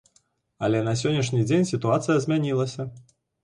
Але на сённяшні дзень сітуацыя змянілася.